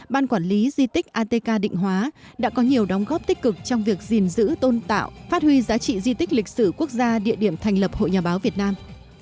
ban quản lý di tích atk định hóa đã có nhiều đóng góp tích cực trong việc gìn giữ tôn tạo phát huy giá trị di tích lịch sử quốc gia địa điểm thành lập hội nhà báo việt nam